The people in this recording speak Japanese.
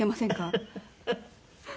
フフフフ。